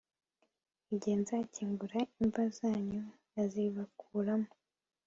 igihe nzakingura imva zanyu nkazibakuramo